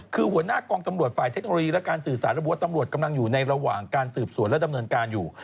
คือหัวหน้ากองตำรวจฝ่ายเทคโนโลยีและการสื่อสารระบวตำรวจกำลังอยู่ในระหว่างการสืบสวนและดำเนินการอยู่